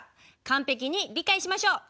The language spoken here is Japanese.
完璧に理解しましょう。